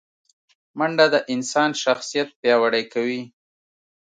منډه د انسان شخصیت پیاوړی کوي